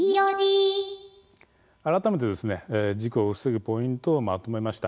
改めて事故を防ぐポイントをまとめました。